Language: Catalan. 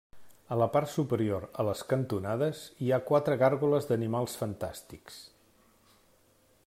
A la part superior, a les cantonades, hi ha quatre gàrgoles d'animals fantàstics.